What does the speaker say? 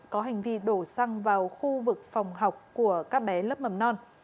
có hành vi đổ xăng vào khu vực phòng học của các bé lớp mầm non